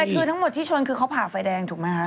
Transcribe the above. แต่ทั้งหมดที่ชนคือเขาผ่าไฟแดงถูกมั้ยครับ